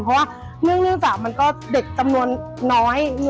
เพราะว่าเนื่องจากมันก็เด็กจำนวนน้อย